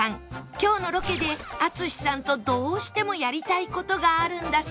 今日のロケで淳さんとどうしてもやりたい事があるんだそう